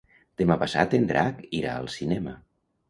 Demà passat en Drac irà al cinema.